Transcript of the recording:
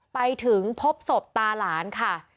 ไปถึงพบศพตาหลานค่ะ